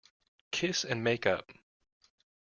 Kiss and make up.